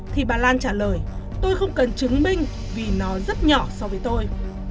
thì bà lan trả lời tôi không cần chứng minh vì nó rất nhỏ so với tôi